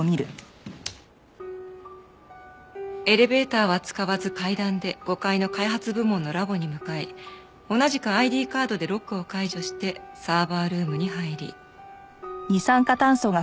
エレベーターは使わず階段で５階の開発部門のラボに向かい同じくＩＤカードでロックを解除してサーバールームに入り。